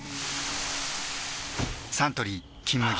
サントリー「金麦」